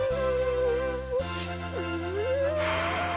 うん。